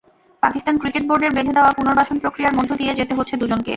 Pakistan cricket বোর্ডের বেঁধে দেওয়া পুনর্বাসনপ্রক্রিয়ার মধ্য দিয়ে যেতে হচ্ছে দুজনকে।